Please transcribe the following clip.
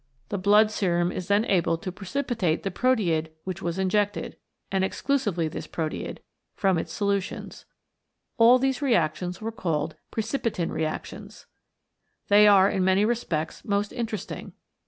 The blood serum is then able to precipitate the proteid which was injected, and exclusively this proteid, from its solutions. All these reactions were called Pre cipitin Reactions. They are in many respects most interesting.